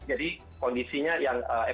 jadi kondisinya yang